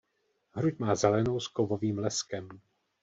Hruď má zelenou s kovovým leskem.